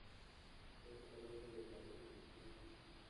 Fue fundado por Maurice White.